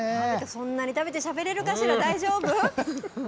そんなに食べてしゃべれるかしら。